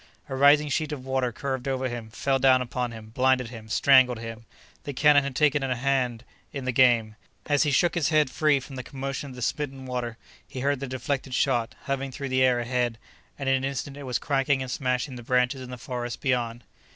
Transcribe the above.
A rising sheet of water curved over him, fell down upon him, blinded him, strangled him! The cannon had taken an hand in the game. As he shook his head free from the commotion of the smitten water he heard the deflected shot humming through the air ahead, and in an instant it was cracking and smashing the branches in the forest beyond.